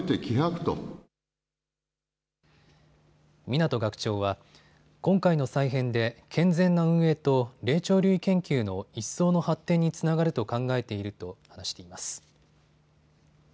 湊学長は今回の再編で健全な運営と霊長類研究の一層の発展につながると考えていると話しています。